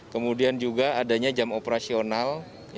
kemudian juga adanya jam operasional